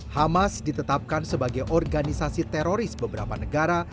hamas ditetapkan sebagai organisasi teroris beberapa negara